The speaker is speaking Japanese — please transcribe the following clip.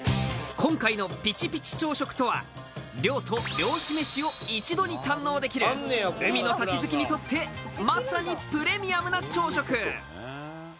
今回のピチピチ朝食とは漁と漁師飯を一度に堪能できる海の幸好きにとってまさにプレミアムな朝食！